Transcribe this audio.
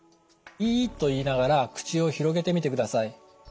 「いー」と言いながら口を広げてみてください。